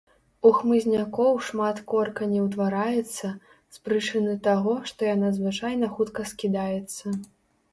У хмызнякоў шмат корка не ўтвараецца, з прычыны таго, што яна звычайна хутка скідаецца.